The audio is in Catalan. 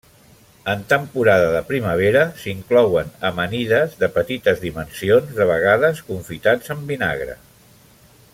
En temporada de primavera s'inclouen amanides de petites dimensions, de vegades confitats en vinagre.